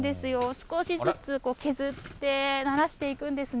少しずつ削って、ならしていくんですね。